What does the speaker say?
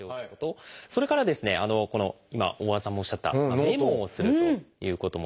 それからこの今大和田さんもおっしゃった「メモをする」ということもやっぱり。